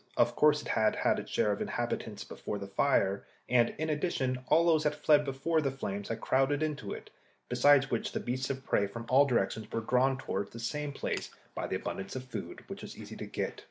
Of course it had had its share of inhabitants before the fire, and, in addition, all those that fled before the flames had crowded into it; besides which the beasts of prey from all directions were drawn towards the same place by the abundance of food which was easy to get.